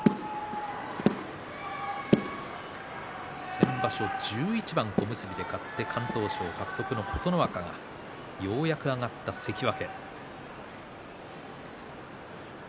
先場所、１１番小結で勝って敢闘賞獲得の琴ノ若がようやく上がった関脇。